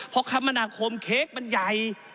เพราะคมนาคมเค้กมันใหญ่